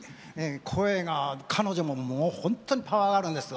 声が彼女も本当にパワーあるんですよ。